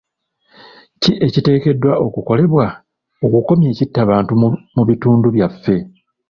Ki ekiteekeddwa okukolebwa okukomya ekitta bantu mu bitundu byaffe?